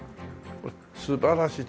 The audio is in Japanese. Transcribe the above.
素晴らしい。